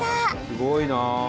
すごいな。